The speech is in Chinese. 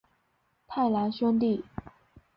太郎兄弟。